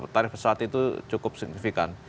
tarif pesawat itu cukup signifikan